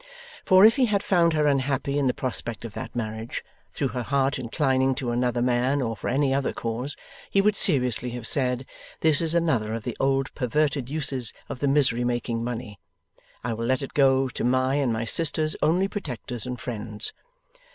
For, if he had found her unhappy in the prospect of that marriage (through her heart inclining to another man or for any other cause), he would seriously have said: 'This is another of the old perverted uses of the misery making money. I will let it go to my and my sister's only protectors and friends.